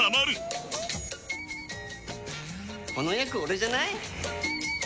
この役オレじゃない？